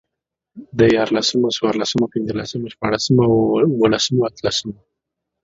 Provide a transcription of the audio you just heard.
ديارلسمو، څوارلسمو، پنځلسمو، شپاړسمو، اوولسمو، اتلسمو